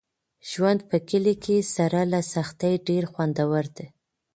ژوند په کلي کې سره له سختۍ ډېر خوندور دی.